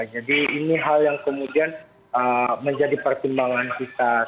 jadi ini hal yang kemudian menjadi pertimbangan kita